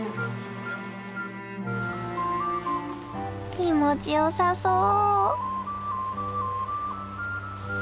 気持ちよさそう。